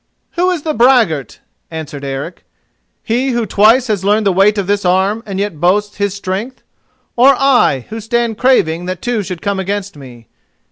"Who is the braggart?" answered Eric. "He who twice has learned the weight of this arm and yet boasts his strength, or I who stand craving that two should come against me?